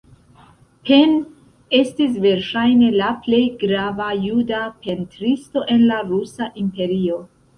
Pen estis verŝajne la plej grava juda pentristo en la rusa imperio.